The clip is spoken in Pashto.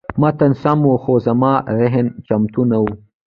متن سم و، خو زما ذهن چمتو نه و.